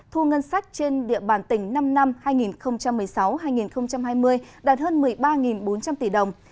thu ngân sách trên địa bàn tỉnh năm năm hai nghìn một mươi sáu hai nghìn hai mươi đạt hơn một mươi ba bốn trăm linh tỷ đồng